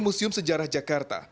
museum sejarah jakarta